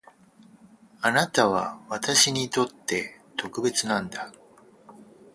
あなたは私にとって特別なんだ